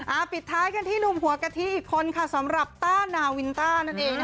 ปิดท้ายกันที่หนุ่มหัวกะทิอีกคนค่ะสำหรับต้านาวินต้านั่นเอง